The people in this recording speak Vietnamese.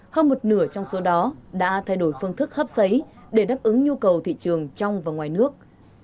hơn một nửa trong số đó đã thay đổi phương thức hấp xấy để đáp ứng nhu cầu thị trường trong và ngoài nước